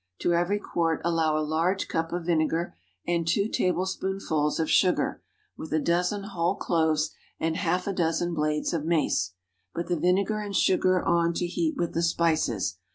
To every quart allow a large cup of vinegar and two tablespoonfuls of sugar, with a dozen whole cloves and half a dozen blades of mace. Put the vinegar and sugar on to heat with the spices.